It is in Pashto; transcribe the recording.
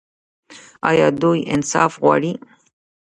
او دوی انصاف غواړي.